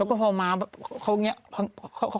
แล้วก็พร้อมมาเขาเขาเงี่ย